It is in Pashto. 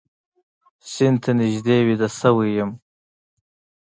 سیند ته نږدې ویده شوی یم